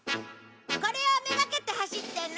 これを目がけて走ってね！